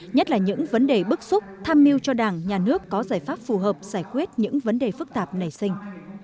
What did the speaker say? nhất là những vấn đề bức xúc tham mưu cho đảng nhà nước có giải pháp phù hợp giải quyết những vấn đề phức tạp nảy sinh